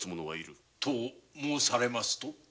と申されますと？